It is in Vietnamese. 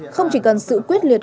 không chỉ cần sự quyết liệt